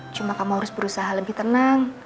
cuma kamu harus berusaha lebih tenang